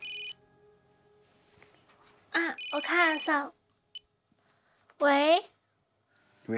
あお母さん。